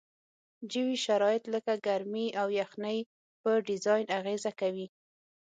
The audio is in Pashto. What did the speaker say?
جوي شرایط لکه ګرمي او یخنۍ په ډیزاین اغیزه کوي